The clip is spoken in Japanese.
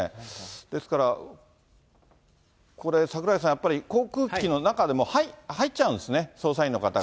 ですから、これ、櫻井さん、やっぱり航空機の中に入っちゃうんですね、捜査員の方が。